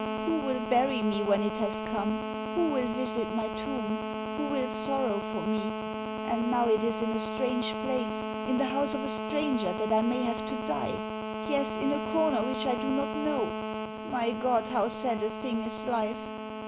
Who will bury me when it has come? Who will visit my tomb? Who will sorrow for me? And now it is in a strange place, in the house of a stranger, that I may have to die! Yes, in a corner which I do not know!... My God, how sad a thing is life!...